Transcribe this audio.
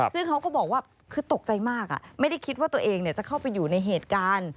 ซึ่งเขาก็บอกว่าคือตกใจมากไม่ได้คิดว่าตัวเองจะเข้าไปอยู่ในเหตุการณ์